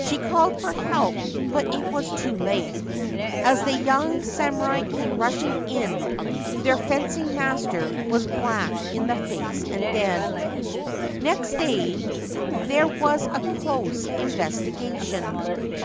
She called for help ; but it was too late. As the young samurai came rushing in, their fencing master was black in the face and dead. Next day there was a close investigation.